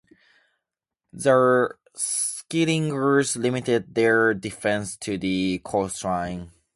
The Schieringers limited their defense to the coastline.